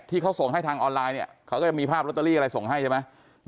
ที่เขาส่งให้ทางออนไลน์เนี่ยเขาก็จะมีภาพลอตเตอรี่อะไรส่งให้ใช่ไหม